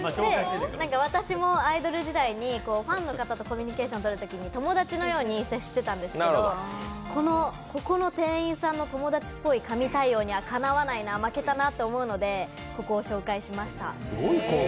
私もアイドル時代にファンの方とコミュニケーション取るときに友達のように接してたんですけど、ここの店員さんの友達っぽい神対応にはかなわないな、負けたなって思うのでここを紹介しました。